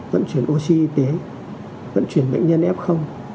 vận chuyển oxy y tế vận chuyển bệnh nhân f